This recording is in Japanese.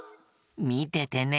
みててね。